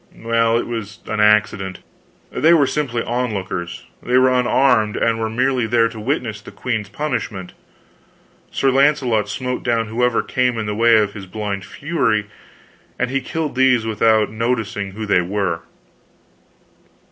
"Well, it was an accident. They were simply onlookers; they were unarmed, and were merely there to witness the queen's punishment. Sir Launcelot smote down whoever came in the way of his blind fury, and he killed these without noticing who they were.